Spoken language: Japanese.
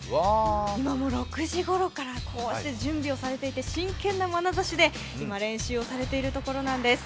今も６時ごろから準備をされていて真剣なまなざしで今、練習をされているところなんです。